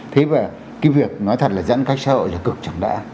thế và cái việc nói thật là giãn cách xã hội là cực chẳng đã